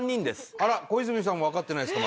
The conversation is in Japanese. あら小泉さんも分かってないですか？